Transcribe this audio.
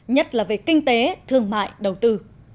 nhất là về kinh tế thương mại đầu tư